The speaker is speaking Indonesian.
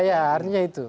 iya artinya itu